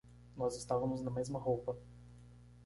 Nós estávamos na mesma roupa.